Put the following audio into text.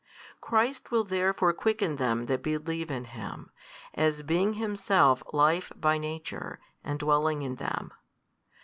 Christ will therefore quicken them that believe in Him, as being Himself Life by Nature and |199 dwelling in them.